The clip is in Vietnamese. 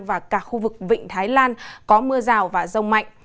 và cả khu vực vịnh thái lan có mưa rào và rông mạnh